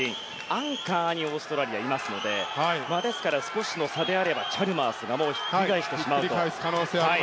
アンカーにオーストラリア、いますのでですから、少しの差であればチャルマースがひっくり返してしまうと。